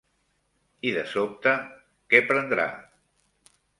I de sobte, què prendrà?